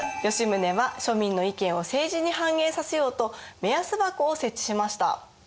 吉宗は庶民の意見を政治に反映させようと目安箱を設置しました。